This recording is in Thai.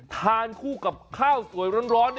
ทานคู่กับข้าวสวยร้อน